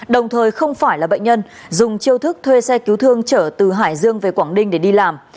đồng thời không phải là bệnh nhân dùng chiêu thức thuê xe cứu thương chở từ hải dương về quảng ninh để đi làm